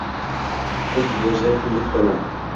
Sen tuzalajak kunni kutaman.